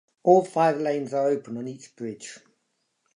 All five lanes are open on each bridge.